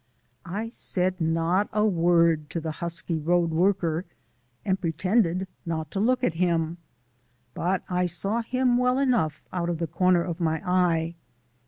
I said not a word to the husky road worker and pretended not to look at him, but I saw him well enough out of the corner of my eye.